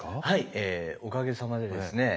おかげさまでですね